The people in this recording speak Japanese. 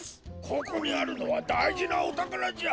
ここにあるのはだいじなおたからじゃ。